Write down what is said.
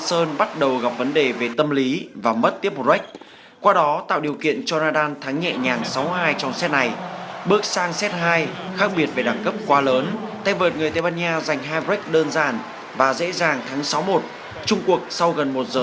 xin chào và hẹn gặp lại trong các video tiếp theo